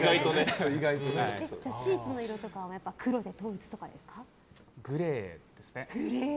じゃあ、シーツの色とかは黒で統一とかですか？グレーですね。